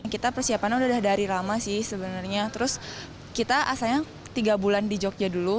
kita persiapannya udah dari lama sih sebenarnya terus kita asalnya tiga bulan di jogja dulu